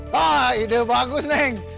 wah ide bagus neng